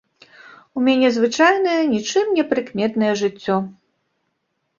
У мяне звычайнае, нічым не прыкметнае жыццё.